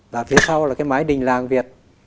và phía sau là cái mái đình làng việt